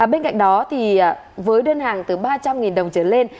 bên cạnh đó với đơn hàng từ ba trăm linh đồng trở lên